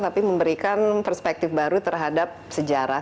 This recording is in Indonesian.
tapi memberikan perspektif baru terhadap sejarah